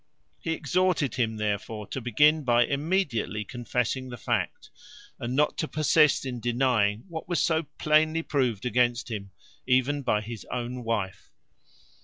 He exhorted him, therefore, to begin by immediately confessing the fact, and not to persist in denying what was so plainly proved against him even by his own wife.